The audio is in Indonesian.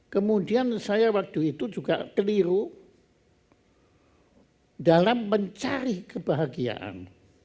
kemudian saya waktu itu juga keliru dalam mencari kebahagiaan